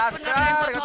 pasar gak tau diri